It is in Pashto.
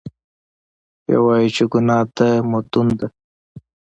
یو وایي چې ګناه د مدون ده.